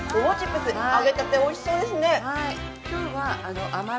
揚げたて、おいしそうですね。